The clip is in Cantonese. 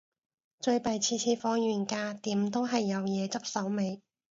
最弊次次放完假，點都係有嘢執手尾